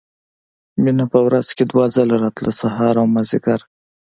مينه په ورځ کښې دوه ځله راتله سهار او مازديګر.